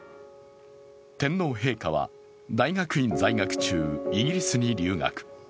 天皇陛下は大学院在学中、イギリスに留学。